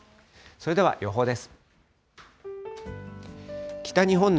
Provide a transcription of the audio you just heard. それでは予報です。